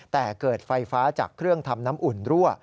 แต่เกิดไฟฟ้าจากเครื่องทำน้ำอุ่นรั่ว